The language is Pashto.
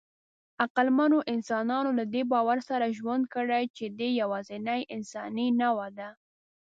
عقلمنو انسانانو له دې باور سره ژوند کړی، چې دی یواځینۍ انساني نوعه ده.